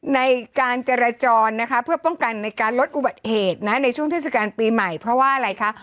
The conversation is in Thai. ในการจราจรนะคะเพื่อป้องกันในการลดอุบัติเหตุนะในช่วงเทศกาลปีใหม่เพราะว่าอะไรคะ